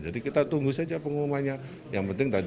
jadi kita tunggu saja pengumumannya